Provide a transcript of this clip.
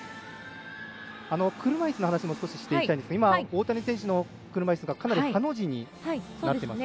車いすの話も少ししていきたいんですが大谷選手の車いすがかなりハの字になってますね。